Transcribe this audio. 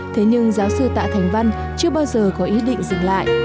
thế nhưng giáo sư tạ thành văn chưa bao giờ có ý định dừng lại